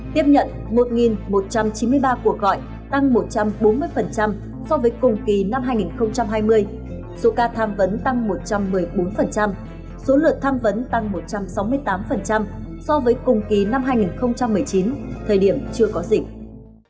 chín trăm sáu mươi chín nghìn sáu trăm tám mươi tiếp nhận một một trăm chín mươi ba cuộc gọi tăng một trăm bốn mươi so với cùng kỳ năm hai nghìn hai mươi số ca tham vấn tăng một trăm một mươi bốn số lượng tham vấn tăng một trăm sáu mươi tám so với cùng kỳ năm hai nghìn một mươi chín thời điểm chưa có dịch